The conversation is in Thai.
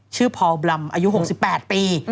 ชื่อพอร์ลบลัมอายุ๖๘ปี